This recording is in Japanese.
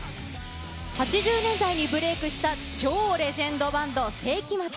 ８０年代にブレークした超レジェンドバンド、聖飢魔ＩＩ。